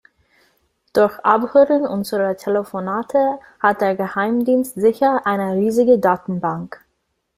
Durch Abhören unserer Telefonate hat der Geheimdienst sicher eine riesige Datenbank.